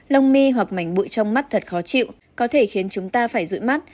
lông mi hoặc mảnh bụi trong mắt thật khó chịu có thể khiến chúng ta phải rụi mắt